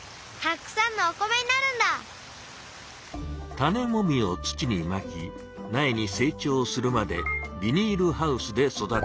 種もみを土にまき苗に成長するまでビニールハウスで育てます。